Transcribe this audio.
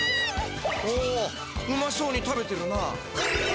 おおうまそうに食べてるな。